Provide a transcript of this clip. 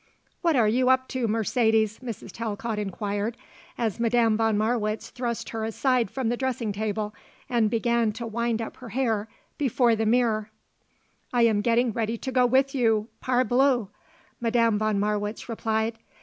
"What are you up to, Mercedes?" Mrs. Talcott inquired, as Madame von Marwitz thrust her aside from the dressing table and began to wind up her hair before the mirror. "I am getting ready to go with you, parbleu!" Madame von Marwitz replied.